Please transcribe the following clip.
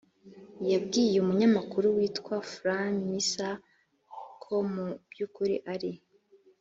yabwiye umunyamakuru witwa fr misser ko mu by ukuri ari